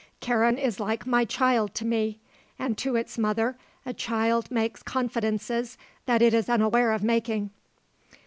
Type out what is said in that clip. Karen is like my child to me; and to its mother a child makes confidences that it is unaware of making.